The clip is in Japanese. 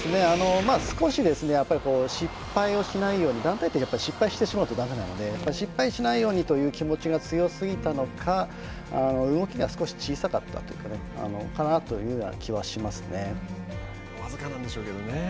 少し失敗をしないような団体は失敗してしまうとだめなので失敗しないようにという気持ちが強すぎたのか動きが少し小さかったのかなという気はしますね。